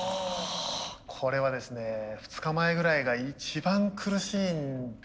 これはですね２日前ぐらいが一番苦しいんですよ。